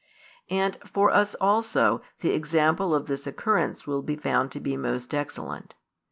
And for us also, the example of this occurrence will be found to be most excellent.